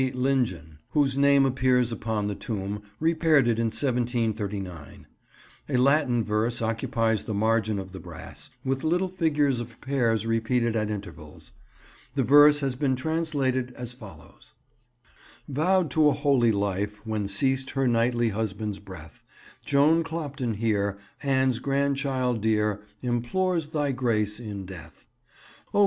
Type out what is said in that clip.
Lingen," whose name appears upon the tomb, repaired it in 1739. A Latin verse occupies the margin of the brass, with little figures of pears repeated at intervals. The verse has been translated as follows— "Vowed to a holy life when ceased her knightly husband's breath, Joan Clopton here, Anne's grandchild dear, implores Thy grace in death; O!